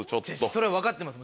それは分かってます